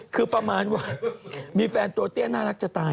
คือประมาณว่ามีแฟนตัวเตี้ยน่ารักจะตาย